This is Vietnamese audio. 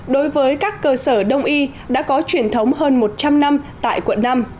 đối với các cơ sở đông y đã có truyền thống hơn một trăm linh năm tại quận năm